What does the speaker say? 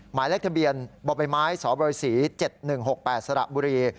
หมายเลขทะเบียนบ่อใบไม้สบศ๗๑๖๘สระบุรี